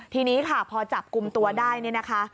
ทีนี้ค่ะพอจับกลุ่มตัวได้เนี่ยนะคะ